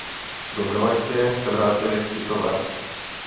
Do galaxie se vrátili Sithové.